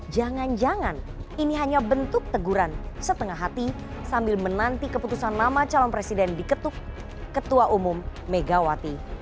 jangan jangan ini hanya bentuk teguran setengah hati sambil menanti keputusan nama calon presiden diketuk ketua umum megawati